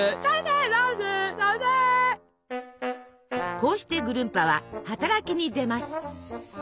こうしてぐるんぱは働きに出ます。